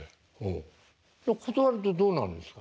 断るとどうなるんですか？